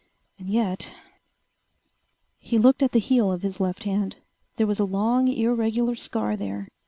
And yet ...He looked at the heel of his left hand. There was a long, irregular scar there.